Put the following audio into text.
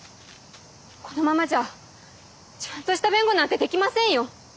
このままじゃちゃんとした弁護なんてできませんよ。